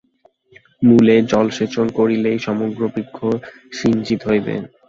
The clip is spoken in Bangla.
মূলে জলসেচন করিলেই সমগ্র বৃক্ষ সিঞ্চিত হইবে।